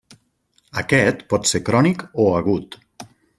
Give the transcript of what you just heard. Aquest pot ser crònic o agut.